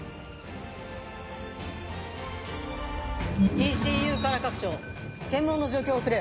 ＥＣＵから各所検問の状況を送れ。